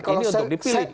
ini untuk dipilih